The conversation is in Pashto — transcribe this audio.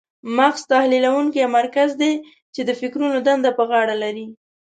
مغز تحلیلونکی مرکز دی چې د فکرونو دندې په غاړه لري.